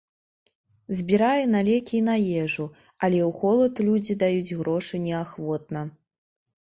Збірае на лекі і на ежу, але ў холад людзі даюць грошы неахвотна.